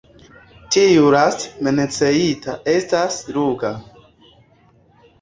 Tiu laste menciita estas ruĝa.